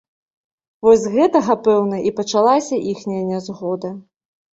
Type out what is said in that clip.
Вось з гэтага, пэўна, і пачалася іхняя нязгода.